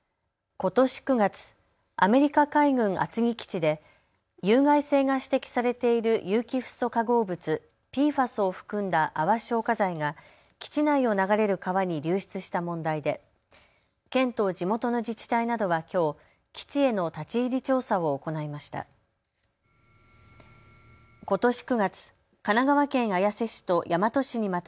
ことし９月、アメリカ海軍厚木基地で有害性が指摘されている有機フッ素化合物、ＰＦＡＳを含んだ泡消火剤が基地内を流れる川に流出した問題で県と地元の自治体などはきょう基地への立ち入り調査を行いました。